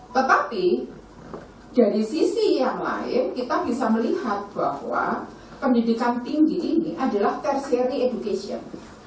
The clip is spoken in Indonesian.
tetapi dari sisi yang lain kita bisa melihat bahwa pendidikan tinggi ini adalah fairy education